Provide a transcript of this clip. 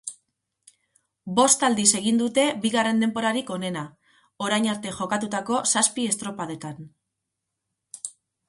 Bost aldiz egin dute bigarren denborarik onena, orain arte jokatutako zazpi estropadetan.